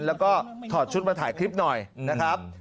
แล้วก็ถอดชุดมาถ่ายคลิปหน่อยนะครับ